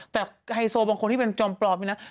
แต่ไฮโซบางคนที่เป็นจอมปลอบอย่างนั้น